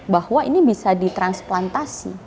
bahwa ini bisa di transplantasi